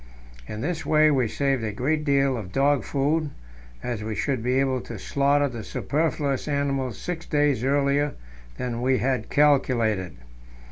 In this way we saved a great deal of dog food, as we should be able to slaughter the superfluous animals six days earlier than we had calculated.